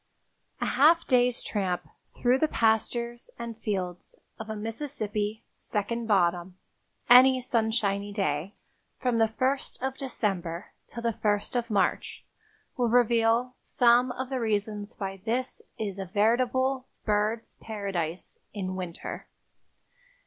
A half day's tramp through the pastures and fields of a Mississippi "second bottom" any sunshiny day from the first of December till the first of March will reveal some of the reasons why this is a veritable birds' paradise in winter.